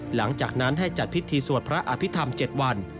หลังจากนั้นให้จัดพิธีสวดพระอภิษฐรรม๗วัน